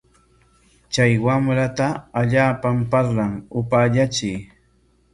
Chay wamrata allaapam parlan, upaallachiy.